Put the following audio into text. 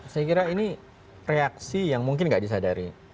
saya kira ini reaksi yang mungkin nggak disadari